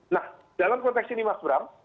nah dalam konteks ini mas bram